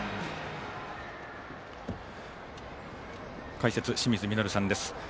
解説、清水稔さんです。